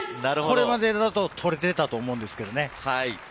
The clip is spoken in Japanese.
これまでだと取れていたと思うんですけれどね。